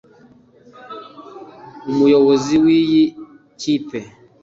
umuyobozi w’iyi kipe